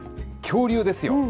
恐竜ですよ。